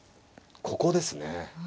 ここですね。